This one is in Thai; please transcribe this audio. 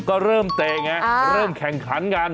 ก็เริ่มเตะไงเริ่มแข่งขันกัน